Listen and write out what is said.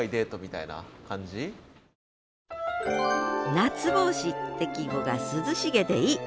「夏帽子」って季語が涼しげでいい。